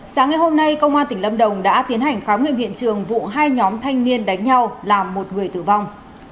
sáng ngày hôm nay công an tỉnh lâm đồng đã tiến hành khám nghiệm hiện trường vụ hai nhóm thanh niên đánh nhau làm một người tử vong